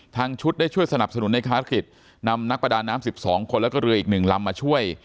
ชุดได้ช่วยสนับสนุนในภารกิจนำนักประดาน้ำ๑๒คนแล้วก็เรืออีก๑ลำมาช่วย